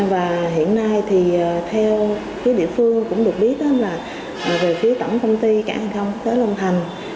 và hiện nay thì theo phía địa phương cũng được biết là về phía tổng công ty cảng thông thế long thành